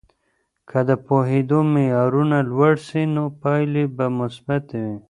که د پوهیدو معیارونه لوړ سي، نو پایلې به مثبتې وي.